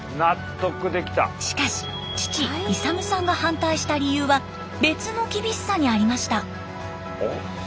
しかし父勇さんが反対した理由は別の厳しさにありました。